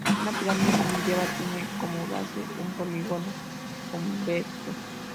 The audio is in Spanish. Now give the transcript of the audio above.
Una pirámide convexa tiene como base un polígono convexo.